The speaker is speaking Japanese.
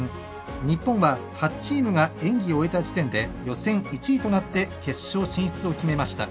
日本は８チームが演技を終えた時点で予選１位となって決勝進出を決めました。